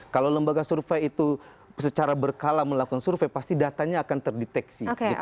kalau lembaga survei itu secara berkala melakukan survei pasti datanya akan terdeteksi